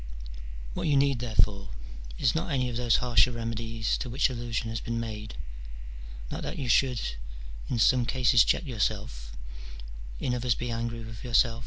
What you need, therefore, is, not any of those harsher remedies to which allusion has been made, not that you should in some cases check yourself, in others be angry with yourself, in CH.